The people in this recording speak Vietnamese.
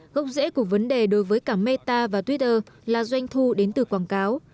gốc rễ của vấn đề đối với cả meta và twitter là doanh thu đến từ quảng cáo